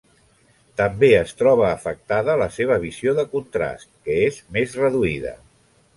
També es troba afectada la seva visió de contrast que és més reduïda.